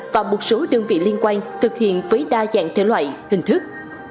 và một số đơn vị liên quan thực hiện với đa dạng thể loại hình thức